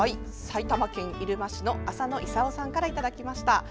埼玉県入間市の浅野勲さんからいただきました。